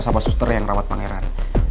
sama sama suster yang rawat pangeran